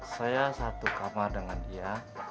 saya satu kamar dengan dia